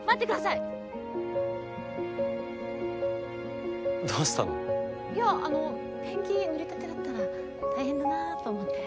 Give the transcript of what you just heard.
いやあのペンキ塗りたてだったら大変だなと思って。